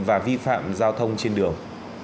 và vi phạm giao thông trên đường